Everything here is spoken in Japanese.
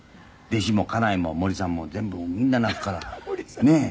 「弟子も家内もモリさんも全部みんな泣くからねえ」